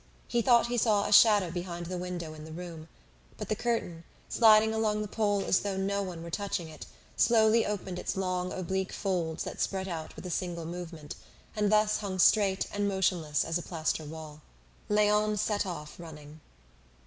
He thought he saw a shadow behind the window in the room; but the curtain, sliding along the pole as though no one were touching it, slowly opened its long oblique folds that spread out with a single movement, and thus hung straight and motionless as a plaster wall. Léon set off running.